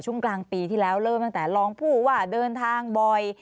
กลางปีที่แล้วเริ่มตั้งแต่รองผู้ว่าเดินทางบ่อย